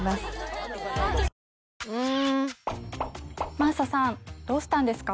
真麻さんどうしたんですか？